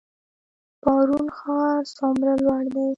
پارون ښار څومره لوړ دی؟